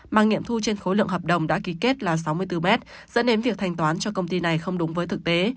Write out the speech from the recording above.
mà nghiệm thu trên khối lượng hợp đồng đã ký kết là sáu mươi bốn mét dẫn đến việc thành toán cho công ty này không đúng với thực tế